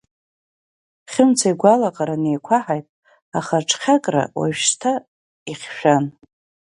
Хьымца игәалаҟара неиқәаҳаит, аха аҽхьакра уажәшьҭа ихьшәан.